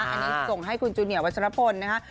อันนี้ส่งให้คุณจูเนียวัชรพลนะคะ